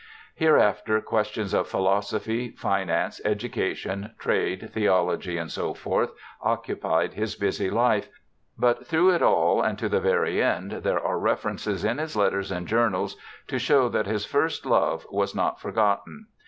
Hereafter ques tions of philosophy, finance, education, trade, theology, &c., occupied his busy life, but through it all, and to the very end, there are references in his letters and io6 BIOGRAPHICAL ESSAYS journals to show that his first love was not forgotten.